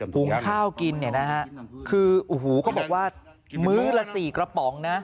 ถุงข้าวกินเนี่ยนะฮะคือโอ้โหเขาบอกว่ามื้อละ๔กระป๋องนะ